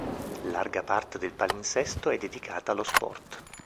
Larga parte del palinsesto è dedicata allo sport.